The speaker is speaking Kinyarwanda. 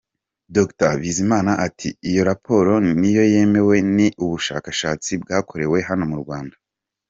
Dr Bizimana ati “ Iyo raporo niyo yemewe, ni ubushakashatsi bwakorewe hano mu Rwanda.